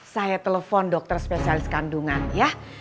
saya telepon dokter spesialis kandungan ya